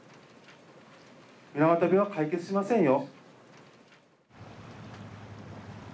水俣病は解決しませんよ。